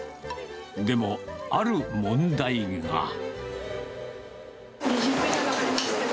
でもある問題が。